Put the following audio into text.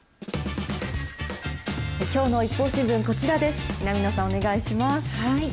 きょうのＩＰＰＯＵ新聞、こちらです。